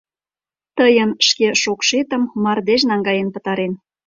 Тыйын шке шокшетым мардеж наҥгаен пытарен.